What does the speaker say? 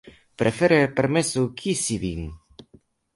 Prefere permesu kisi vin.